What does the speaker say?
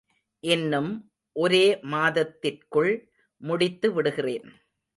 இன்னும் ஒரே மாதத்திற்குள் முடித்து விடுகிறேன்.